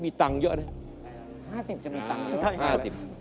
๕๐จะมีตังค์เยอะที่นี่แหละ๕๐๕๐